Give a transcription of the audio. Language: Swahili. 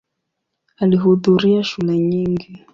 Alihudhuria shule nyingi.